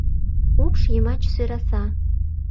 Упш йымач сӧраса